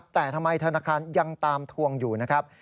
แต่ทำไมธนาคารยังตามทวงอยู่นะครับ